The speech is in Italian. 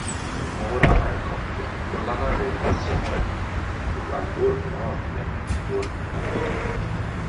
Lavorava in coppia con la nave Massimo M sulla Livorno-Olbia e Livorno-Cagliari.